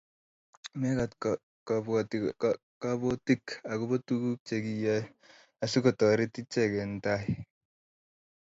mekat kobwotyi kabotik akobo tuguk che kiyae asikutoret icheke eng' tai